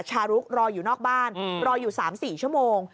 ชารุกรออยู่นอกบ้านรออยู่๓๔ชั่วโมง